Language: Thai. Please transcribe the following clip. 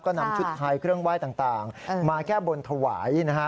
ก็นำชุดไทยเครื่องไหว้ต่างมาแก้บนถวายนะฮะ